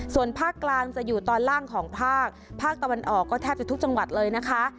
ส่วนภาคกลางจะอยู่ตอนล่างของภาคภาคตะวันออกก็แทบจะทุกจังหวัดเลยนะคะ